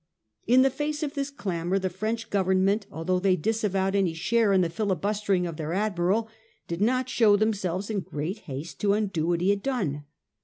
In the face of this clamour the French Government, although they disavowed any share in the filibustering of their admiral, did not show them selves in great haste to undo what he had done.